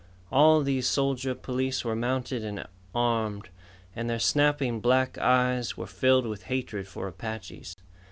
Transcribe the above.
All these soldier police were mounted and armed, and their snapping black eyes were filled with hatred for Apaches.